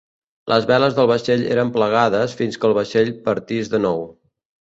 Les veles del vaixell eren plegades fins que el vaixell partís de nou.